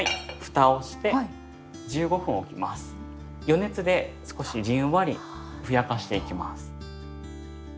余熱で少しじんわりふやかしていきます。